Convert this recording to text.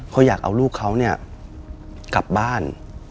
เขาอยากเอาลูกเขาเนี่ยกลับบ้าน